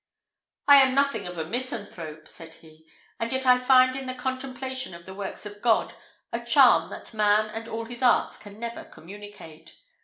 "I am nothing of a misanthrope," said he, "and yet I find in the contemplation of the works of God a charm that man and all his arts can never communicate.